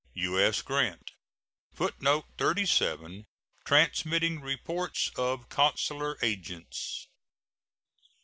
U.S. GRANT. [Footnote 37: Transmitting reports of consular agents.